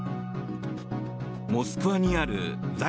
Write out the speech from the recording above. モスクワにある在